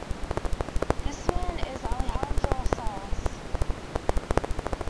This man is "Alejandro Salas".